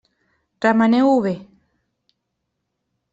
Remeneu-ho bé.